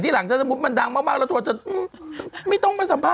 หลังถ้าสมมุติมันดังมากเราโทรจะไม่ต้องมาสัมภาษ